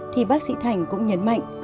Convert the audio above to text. thì bác sĩ thành cũng nhấn mạnh